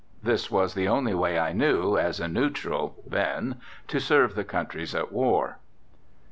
This was the only way I knew, as a neutral (then), to serve the countries at war.